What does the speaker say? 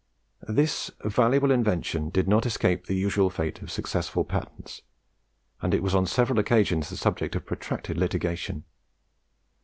This valuable invention did not escape the usual fate of successful patents, and it was on several occasions the subject of protracted litigation.